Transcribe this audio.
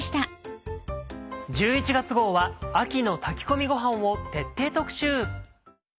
１１月号は秋の炊き込みごはんを徹底特集。